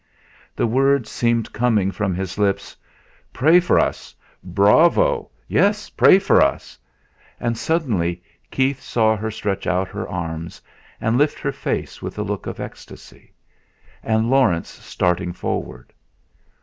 The words seemed coming from his lips: "Pray for us! Bravo! Yes! Pray for us!" And suddenly Keith saw her stretch out her arms, and lift her face with a look of ecstasy, and Laurence starting forward.